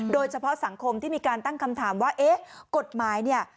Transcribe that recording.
โดยเฉพาะสังคมที่มีการตั้งคำถามว่าเอ๊ะกฎหมายเนี่ย